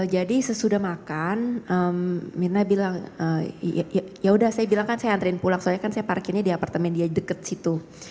jadi sesudah makan mirna bilang yaudah saya bilang kan saya antarin pulang soalnya kan saya parkirnya di apartemen dia deket situ